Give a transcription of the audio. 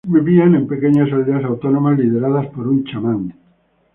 Vivían en pequeñas aldeas autónomas lideradas por un chamán.